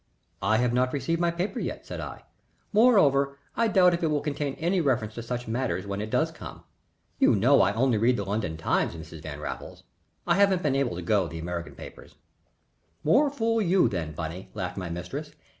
"I have not received my paper yet," said I. "Moreover, I doubt if it will contain any reference to such matters when it does come. You know I read only the London Times, Mrs. Van Raffles. I haven't been able to go the American newspapers." "More fool you, then, Bunny," laughed my mistress.